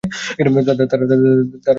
তাঁরা তিনজন ভ্রাতা-ভগ্নী।